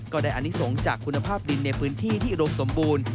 ได้อนิสงฆ์จากคุณภาพดินในพื้นที่ที่อุดมสมบูรณ์